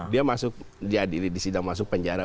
dia masuk diadili di sidang masuk penjara